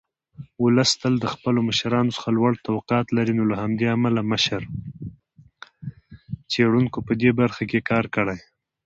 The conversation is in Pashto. څېړونکو په دې برخه کې کار کړی.